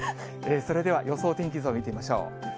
それでは予想天気図を見てみましょう。